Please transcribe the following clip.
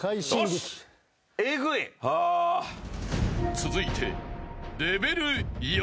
［続いて］